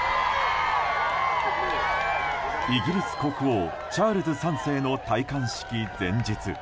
イギリス国王チャールズ３世の戴冠式前日。